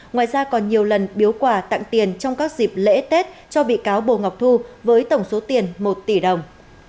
ngoài ra còn nhiều lần biếu quà tặng tiền trong các dịp lễ tết cho bị cáo bồ ngọc thu với tổng số tiền một tỷ đồng